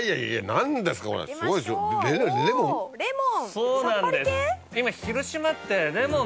そうなんです今。